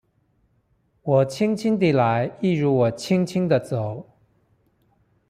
我輕輕地來一如我輕輕的走